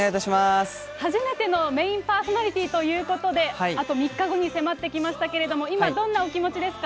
初めてのメインパーソナリティーということで、あと３日後に迫ってきましたけれども、今どんなお気持ちですか？